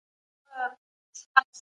په ناحقه د بل مال خوړل ذلت دی.